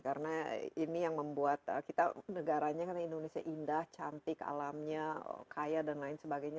karena ini yang membuat kita negaranya indonesia indah cantik alamnya kaya dan lain sebagainya